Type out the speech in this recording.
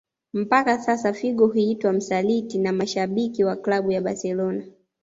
Mpaka sasa Figo huitwa msaliti na mashabiki waklabu ya Barcelona